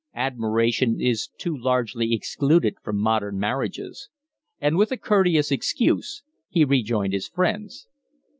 "Admiration is too largely excluded from modern marriages." And with a courteous excuse he rejoined his friends.